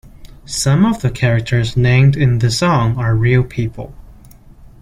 Some of the characters named in the song are real people.